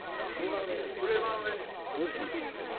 ネルソンズさんだ